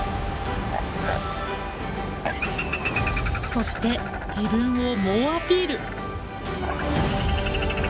そして自分を猛アピール。